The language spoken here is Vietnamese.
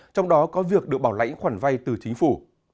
trong đó có việc được bảo lãnh khoản vay từ chính phủ